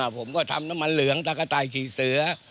ผมก็ทำน้ำมันเหลืองตะกระต่ายขี่เสือ